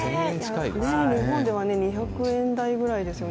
日本では２００円台ぐらいですよね。